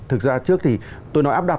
thực ra trước thì tôi nói áp đặt